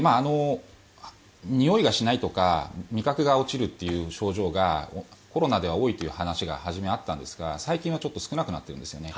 においがしないとか味覚が落ちるという症状がコロナでは多いという話がはじめはあったんですが最近はちょっと少なくなっているんですよね。